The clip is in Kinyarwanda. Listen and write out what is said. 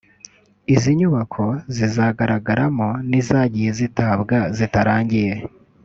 Izi nyubako zigaragaramo n’izagiye zitabwa zitarangiye